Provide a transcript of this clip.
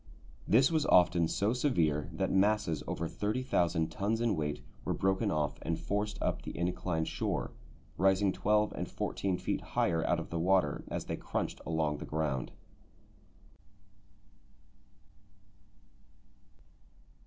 This was often so severe that masses over 30,000 tons in weight were broken off and forced up the inclined shore, rising twelve and fourteen feet higher out of the water as they crunched along the ground.